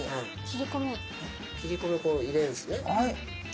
切りこみをこう入れるんですね。